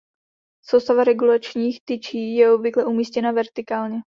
Soustava regulačních tyčí je obvykle umístěna vertikálně.